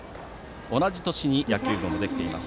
同じ年の野球部もできています。